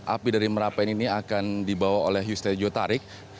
api dari merapen ini akan dibawa oleh yustejo tarik